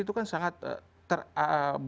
itu kan sangat terambil